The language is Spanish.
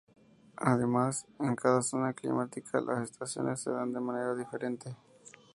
Además, en cada zona climática las estaciones se dan de manera diferente.